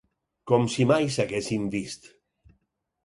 Com si mai s'haguessin vist.